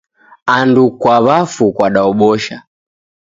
Andu kwa w'afu kwadaobosha.